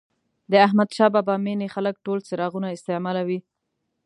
د احمدشاه بابا مېنې خلک ټول څراغونه استعمالوي.